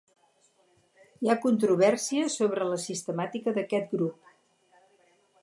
Hi ha controvèrsia sobre la sistemàtica d'aquest grup.